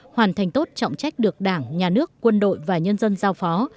hoàn thành tốt trọng trách được đảng nhà nước quân đội và nhân dân giao phó